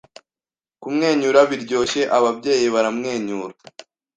Kumwenyura biryoshye ababyeyi baramwenyura